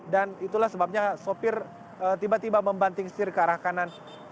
dan itulah sebabnya sopir tiba tiba membanting setir ke arah kanan